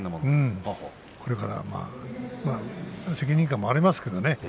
これからは責任感もありますからね。